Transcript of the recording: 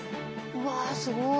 うわすごい。